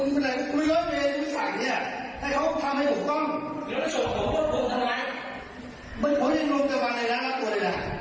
เนี่ยก็พูดไหมครับพี่ตานะที่ไหน